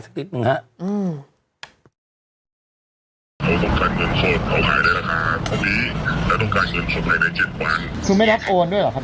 ประมานนั้นประมานนั้นเขาเขาเขา